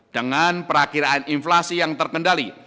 dengan perakiraan inflasi yang terkendali